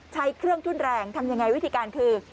ใช้เครื่องทุ่นแรงทำยังไงวิธีการคือ